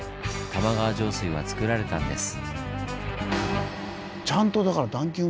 玉川上水はつくられたんです。